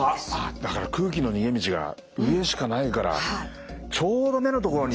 だから空気の逃げ道が上にしかないからちょうど目の所に。